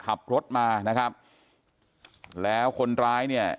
ขับรถมานะครับแล้วคนร้ายเนี่ย